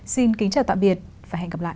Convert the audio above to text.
xin kính chào tạm biệt và hẹn gặp lại